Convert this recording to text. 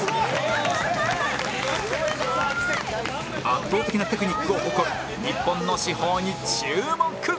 圧倒的なテクニックを誇る日本の至宝に注目！